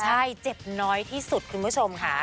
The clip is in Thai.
ใช่เจ็บน้อยที่สุดคุณผู้ชมค่ะ